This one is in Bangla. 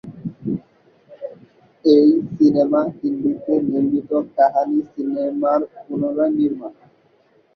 এই সিনেমা হিন্দিতে নির্মিত কাহানি সিনেমার পুনঃনির্মাণ।